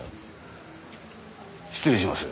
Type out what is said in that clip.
失礼します。